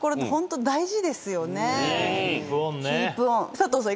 佐藤さん。